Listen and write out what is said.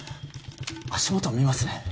足元見ますね